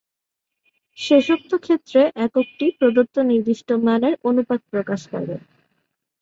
শেষোক্ত ক্ষেত্রে এককটি প্রদত্ত নির্দিষ্ট মানের অনুপাত প্রকাশ করে।